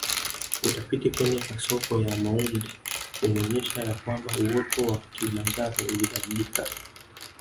Utafiti kwenye kasoko ya Maundi umeonyesha ya kwamba uoto wa Kilimanjaro ulibadilika